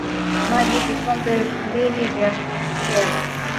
Maji Vikombe mbili vya kupikia